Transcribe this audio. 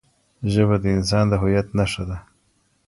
ژبه د انسان د هویت نښه ده.